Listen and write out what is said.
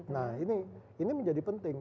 nah ini menjadi penting